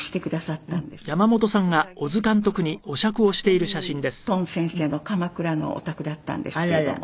でそれは原作者の里見先生の鎌倉のお宅だったんですけれども。